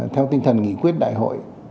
theo tinh thần nghị quyết đại hội